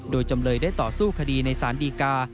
โดยจำเลยได้ต่อสู้คดีในสารดีกา